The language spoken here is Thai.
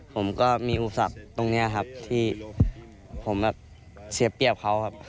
ผมก็มีอุปสรรคตรงนี้ครับที่ผมแบบเสียเปรียบเขาครับ